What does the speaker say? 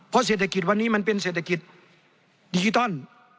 เพราะเศรษฐกิจวันนี้มันเป็นเศรษฐกิจดิจิตอล